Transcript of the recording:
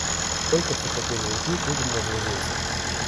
Только что хотели уйти, тут он развозился.